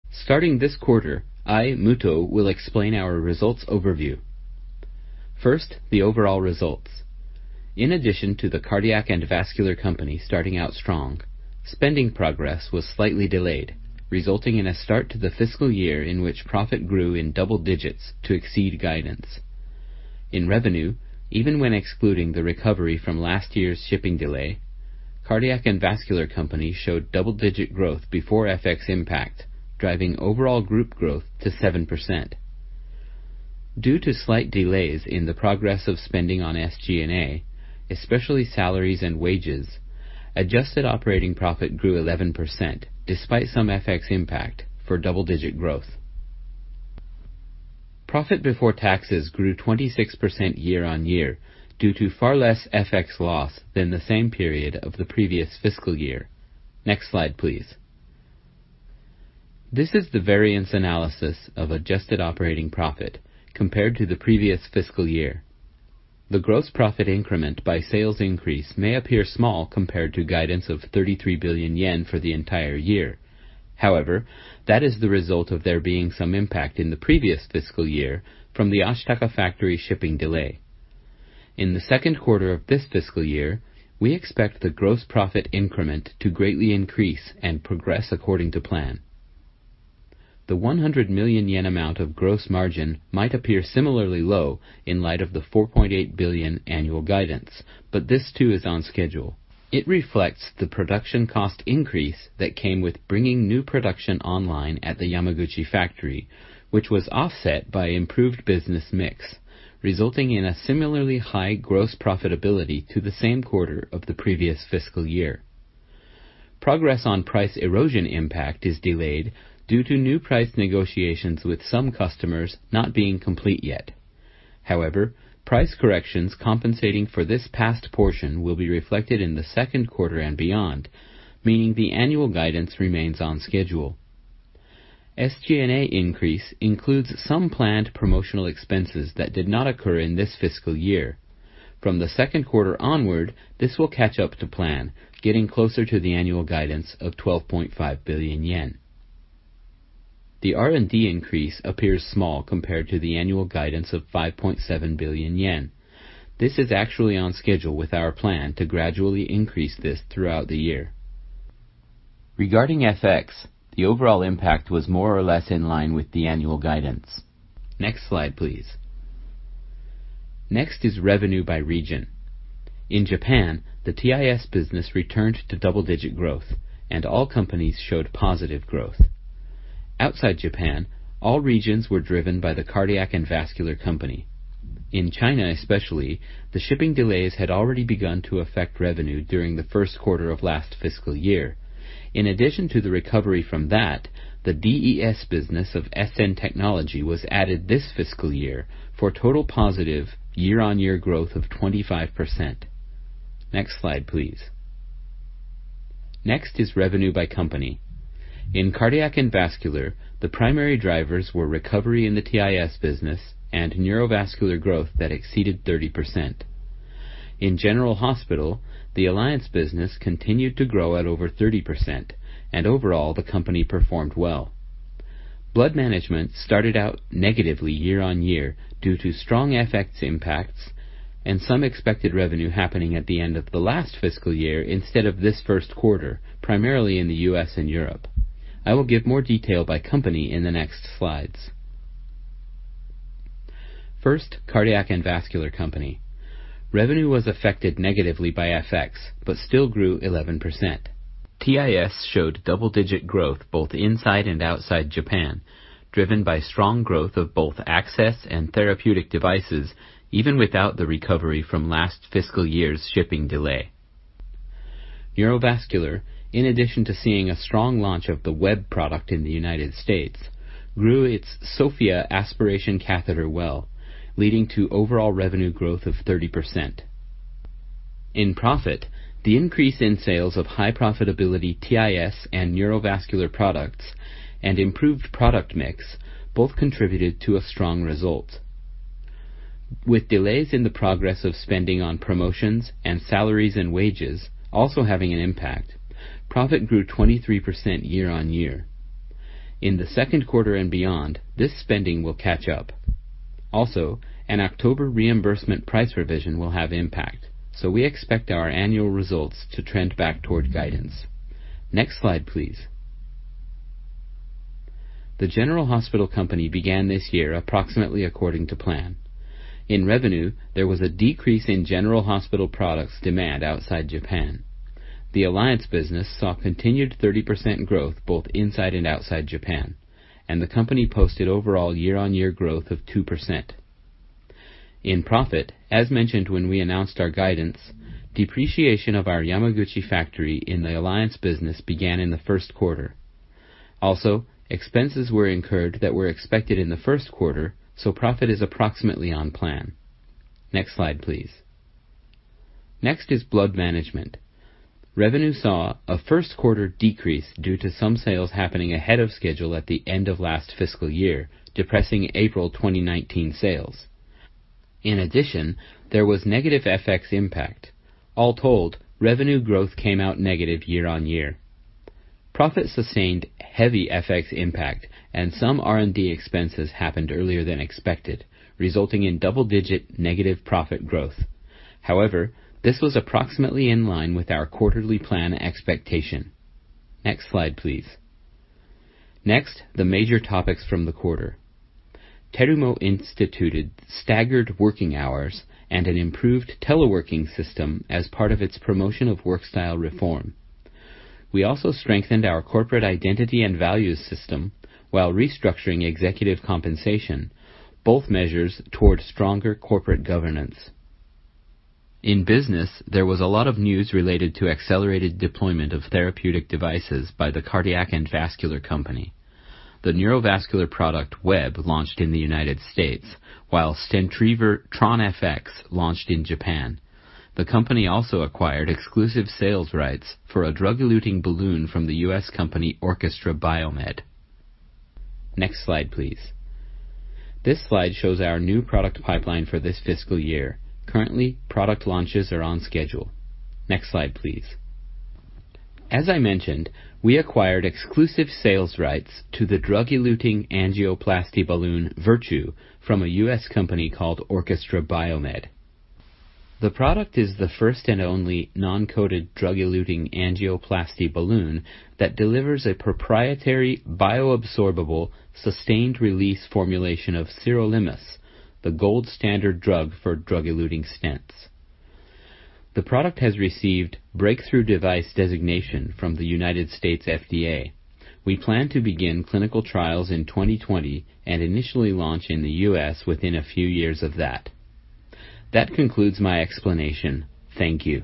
Starting this quarter, I, Muto, will explain our results overview. First, the overall results. In addition to the Cardiac and Vascular Company starting out strong, spending progress was slightly delayed, resulting in a start to the fiscal year in which profit grew in double digits to exceed guidance. In revenue, even when excluding the recovery from last year's shipping delay, Cardiac and Vascular Company showed double-digit growth before FX impact, driving overall group growth to 7%. Due to slight delays in the progress of spending on SG&A, especially salaries and wages, adjusted operating profit grew 11%, despite some FX impact for double-digit growth. Profit before taxes grew 26% year-on-year due to far less FX loss than the same period of the previous fiscal year. Next slide, please. This is the variance analysis of adjusted operating profit compared to the previous fiscal year. The gross profit increment by sales increase may appear small compared to guidance of 33 billion yen for the entire year. However, that is the result of there being some impact in the previous fiscal year from the Ashitaka factory shipping delay. In the second quarter of this fiscal year, we expect the gross profit increment to greatly increase and progress according to plan. The 100 million yen amount of gross margin might appear similarly low in light of the 4.8 billion annual guidance. This too is on schedule. It reflects the production cost increase that came with bringing new production online at the Yamaguchi factory, which was offset by improved business mix, resulting in a similarly high gross profitability to the same quarter of the previous fiscal year. Progress on price erosion impact is delayed due to new price negotiations with some customers not being complete yet. However, price corrections compensating for this past portion will be reflected in the second quarter and beyond, meaning the annual guidance remains on schedule. SG&A increase includes some planned promotional expenses that did not occur in this fiscal year. From the second quarter onward, this will catch up to plan, getting closer to the annual guidance of 12.5 billion yen. The R&D increase appears small compared to the annual guidance of 5.7 billion yen. This is actually on schedule with our plan to gradually increase this throughout the year. Regarding FX, the overall impact was more or less in line with the annual guidance. Next slide, please. Next is revenue by region. In Japan, the TIS business returned to double-digit growth, and all companies showed positive growth. Outside Japan, all regions were driven by the Cardiac and Vascular Company. In China especially, the shipping delays had already begun to affect revenue during the first quarter of last fiscal year. In addition to the recovery from that, the DES business of SN Technology was added this fiscal year for total positive year-on-year growth of 25%. Next slide, please. Revenue by company. In Cardiac and Vascular, the primary drivers were recovery in the TIS business and neurovascular growth that exceeded 30%. In General Hospital, the alliance business continued to grow at over 30%, and overall, the company performed well. Blood Management started out negatively year-on-year due to strong FX impacts and some expected revenue happening at the end of the last fiscal year instead of this first quarter, primarily in the U.S. and Europe. I will give more detail by company in the next slides. First, Cardiac and Vascular Company. Revenue was affected negatively by FX, still grew 11%. TIS showed double-digit growth both inside and outside Japan, driven by strong growth of both access and therapeutic devices, even without the recovery from last fiscal year's shipping delay. Neurovascular, in addition to seeing a strong launch of the WEB product in the U.S., grew its SOFIA aspiration catheter well, leading to overall revenue growth of 30%. In profit, the increase in sales of high-profitability TIS and neurovascular products and improved product mix both contributed to a strong result. With delays in the progress of spending on promotions and salaries and wages also having an impact, profit grew 23% year-on-year. In the second quarter and beyond, this spending will catch up. An October reimbursement price revision will have impact, we expect our annual results to trend back toward guidance. Next slide, please. The General Hospital Company began this year approximately according to plan. In revenue, there was a decrease in General Hospital products demand outside Japan. The alliance business saw continued 30% growth both inside and outside Japan, and the company posted overall year-on-year growth of 2%. In profit, as mentioned when we announced our guidance, depreciation of our Yamaguchi factory in the alliance business began in the first quarter. Expenses were incurred that were expected in the first quarter, so profit is approximately on plan. Next slide, please. Next is Blood Management. Revenue saw a first-quarter decrease due to some sales happening ahead of schedule at the end of last fiscal year, depressing April 2019 sales. There was negative FX impact. All told, revenue growth came out negative year-on-year. Profit sustained heavy FX impact and some R&D expenses happened earlier than expected, resulting in double-digit negative profit growth. However, this was approximately in line with our quarterly plan expectation. Next slide, please. Next, the major topics from the quarter. Terumo instituted staggered working hours and an improved teleworking system as part of its promotion of work style reform. We also strengthened our corporate identity and values system while restructuring executive compensation, both measures towards stronger corporate governance. In business, there was a lot of news related to accelerated deployment of therapeutic devices by the Cardiac and Vascular Company. The neurovascular product, WEB, launched in the United States, while stent retriever Tron FX launched in Japan. The company also acquired exclusive sales rights for a drug-eluting balloon from the U.S. company Orchestra BioMed. Next slide, please. This slide shows our new product pipeline for this fiscal year. Currently, product launches are on schedule. Next slide, please. As I mentioned, we acquired exclusive sales rights to the drug-eluting angioplasty balloon, Virtue, from a U.S. company called Orchestra BioMed. The product is the first and only non-coated drug-eluting angioplasty balloon that delivers a proprietary bioabsorbable sustained-release formulation of sirolimus, the gold standard drug for drug-eluting stents. The product has received Breakthrough Device designation from the U.S. FDA. We plan to begin clinical trials in 2020 and initially launch in the U.S. within a few years of that. That concludes my explanation. Thank you.